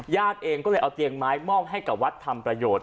เองก็เลยเอาเตียงไม้มอบให้กับวัดทำประโยชน์